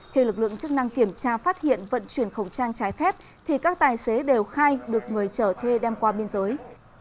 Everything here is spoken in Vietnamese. khi lực lượng chức năng kiểm tra phát hiện vận chuyển khẩu trang trái phép thì các tài xế đều khai được người chở thuê đem qua biên giới